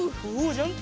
ジャンプ！